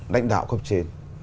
đánh đạo cấp trên